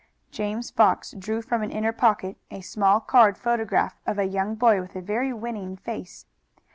James Fox drew from an inner pocket a small card photograph of a young boy with a very winning face.